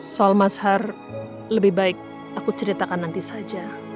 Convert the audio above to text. soal mas har lebih baik aku ceritakan nanti saja